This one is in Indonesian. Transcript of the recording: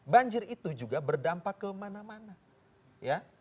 banjir itu juga berdampak kemana mana ya